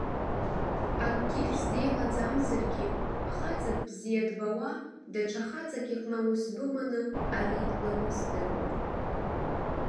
Акгьы шәзеилаӡамзаргьы, хаҵак бзиа дбауа, даҽа хаҵак иҟны аус быманы, ари ламысдароуп.